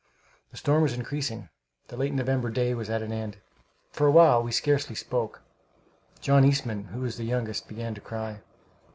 The storm was increasing; the late November day was at an end. For a while we scarcely spoke. John Eastman, who was the youngest, began to cry.